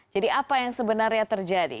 jadi apa yang sebenarnya terjadi